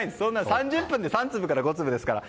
３０分で３粒から５粒ですから。